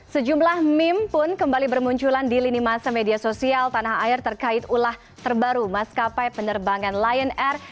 sejumlah meme pun kembali bermunculan di lini masa media sosial tanah air terkait ulah terbaru maskapai penerbangan lion air